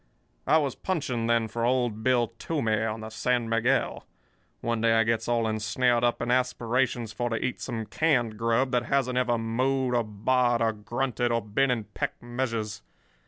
"I was punching then for old Bill Toomey, on the San Miguel. One day I gets all ensnared up in aspirations for to eat some canned grub that hasn't ever mooed or baaed or grunted or been in peck measures.